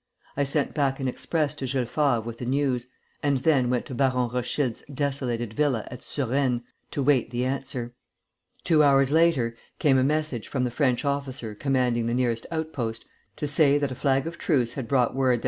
I sent back an express to Jules Favre with the news, and then went to Baron Rothschild's desolated villa at Suresnes to wait the answer. Two hours later, came a message from the French officer commanding the nearest outpost to say that a flag of truce had brought word that M.